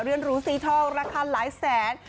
เลื่อนรูสีทองราคาหลายแสน